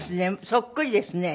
そっくりですね。